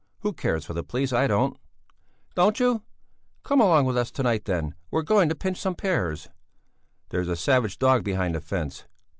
"Who cares for the police? I don't!" "Don't you? Come along of us to night then; we're going to pinch some pears." "There's a savage dog behind the fence!"